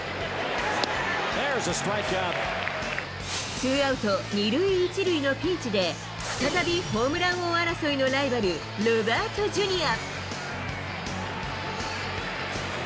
ツーアウト２塁１塁のピンチで、再びホームラン王争いのライバル、ロバートＪｒ．。